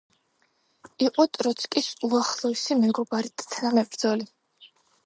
იყო ტროცკის უახლოესი მეგობარი და თანამებრძოლი.